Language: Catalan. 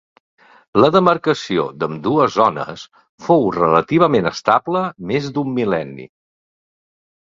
La demarcació d'ambdues zones fou relativament estable més d'un mil·lenni.